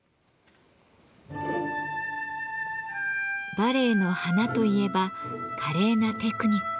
バレエの華といえば華麗なテクニック。